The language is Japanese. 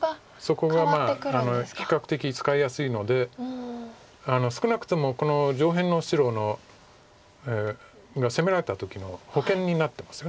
そこが比較的使いやすいので少なくともこの上辺の白が攻められた時の保険になってますよね。